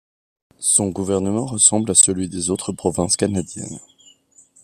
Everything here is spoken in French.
Son gouvernement ressemble à celui des autres provinces canadiennes.